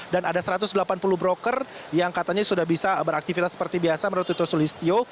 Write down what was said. dan ada satu ratus delapan puluh broker yang katanya sudah bisa beraktifitas seperti biasa menurut tito sulistyo